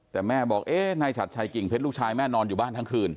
แต่แม่บอกเอ๊ะนายฉัดชัยกิ่งเพชรลูกชายแม่นอนอยู่บ้านทั้งคืน